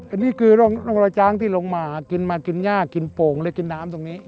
อันนี้คือร่องรอยช้างที่ลงมากินมากินย่ากินโป่งเลยกินน้ำตรงนี้